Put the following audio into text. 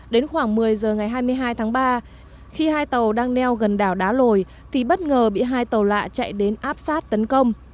đến khoảng một mươi giờ ngày hai mươi hai tháng ba khi hai tàu đang neo gần đảo đá lồi thì bất ngờ bị hai tàu lạ chạy đến áp sát tấn công